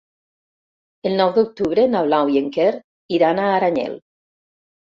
El nou d'octubre na Blau i en Quer iran a Aranyel.